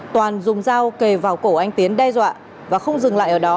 toàn dùng dao kề vào cổ anh tiến đe dọa và không dừng lại ở đó